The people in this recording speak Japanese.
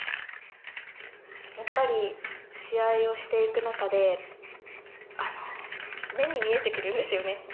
やっぱり試合をしていく中であの目に見えてくるんですよね。